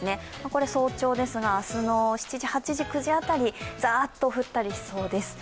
これは早朝ですが、明日の７９時辺りザーッと降ったりしそうです。